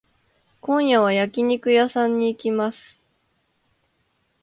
今夜は焼肉屋さんに行きます。